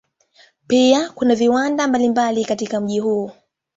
Pia kuna viwanda mbalimbali katika mji huo.